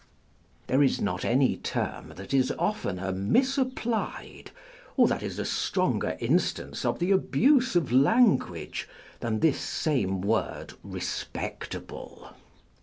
THERE is not any term that is oftener misapplied, or that is a stronger instance of the abuse of language, than this same word respectable.